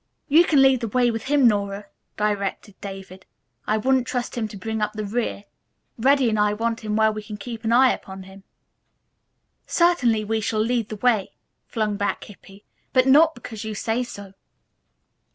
"You can lead the way with him, Nora," directed David. "I wouldn't trust him to bring up the rear. Reddy and I want him where we can keep an eye upon him." "Certainly we shall lead the way," flung back Hippy, "but not because you say so.